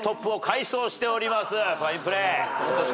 ファインプレー。